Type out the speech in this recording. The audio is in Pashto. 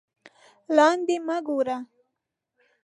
لاندې مه گوره